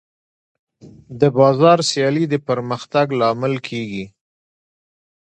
د بازار سیالي د پرمختګ لامل کېږي.